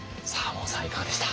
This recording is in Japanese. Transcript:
門さんいかがでした？